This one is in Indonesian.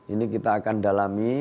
ini kita akan dalami